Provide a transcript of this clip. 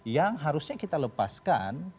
yang harusnya kita lepaskan